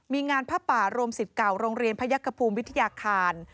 มีงานภาพป่ารวมศิษย์เก่าโรงเรียนพระยักษ์กระภูมิวิทยาคาร